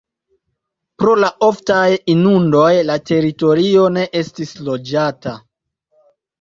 Pro la oftaj inundoj la teritorio ne estis loĝata.